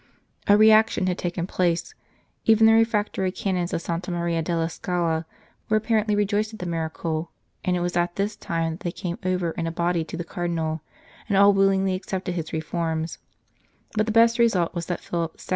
A reaction had taken place ; even the refractory Canons of Santa Maria della Scala were apparently rejoiced at the miracle, and it was at this time St. Charles Borromeo that they came over in a body to the Cardinal, and all willingly accepted his reforms; but the best result was that Philip II.